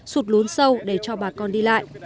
sụt lún sâu để cho bà con đi lại